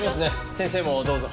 先生もどうぞ。